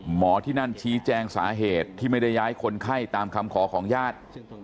หมอที่นั่นชี้แจงสาเหตุที่ไม่ได้ย้ายคนไข้ตามคำขอของญาติ